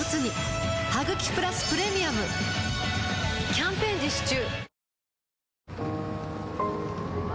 キャンペーン実施中